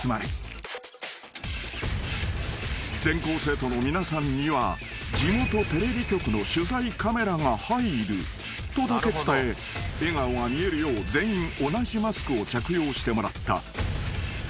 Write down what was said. ［全校生徒の皆さんには地元テレビ局の取材カメラが入るとだけ伝え笑顔が見えるよう全員同じマスクを着用してもらった］